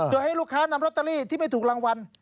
โดยให้ลูกค้านำลอตเตอรี่ที่ไม่ถูกรางวัล